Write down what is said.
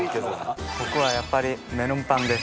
僕はやっぱりメロンパンです。